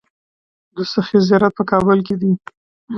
د سخي زیارت په کابل کې دی